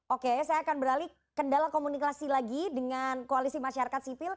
oke saya akan beralih kendala komunikasi lagi dengan koalisi masyarakat sipil